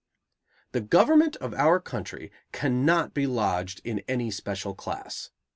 The government of our country cannot be lodged in any special class.